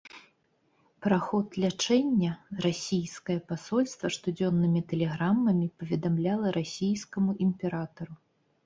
Пра ход лячэння расійскае пасольства штодзённымі тэлеграмамі паведамляла расійскаму імператару.